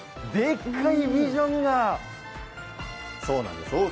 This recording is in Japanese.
そうなんです。